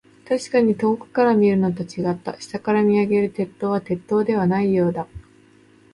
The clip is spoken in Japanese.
確かに遠くから見るのと、違った。下から見上げる鉄塔は、鉄塔ではないようだ。